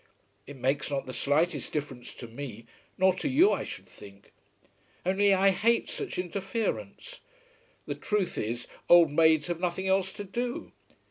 It makes not the slightest difference to me, nor to you I should think. Only I hate such interference. The truth is old maids have nothing else to do.